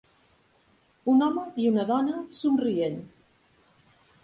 Un home i una dona somrient.